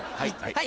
はい。